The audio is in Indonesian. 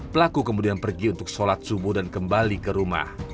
pelaku kemudian pergi untuk sholat subuh dan kembali ke rumah